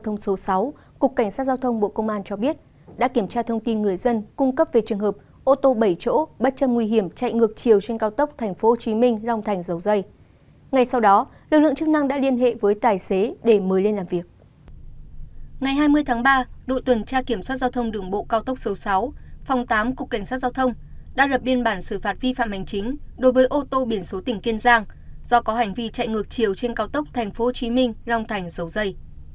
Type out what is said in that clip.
ngày hai mươi tháng ba đội tuần tra kiểm soát giao thông đường bộ cao tốc số sáu phòng tám cục cảnh sát giao thông đã lập biên bản xử phạt vi phạm hành chính đối với ô tô biển số tỉnh kiên giang do có hành vi chạy ngược chiều trên cao tốc tp hcm long thành dầu dây